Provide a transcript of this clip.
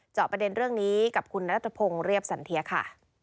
จอบประเด็นเรื่องนี้กับคุณนัทพงศ์เรียบสันเทียค่ะ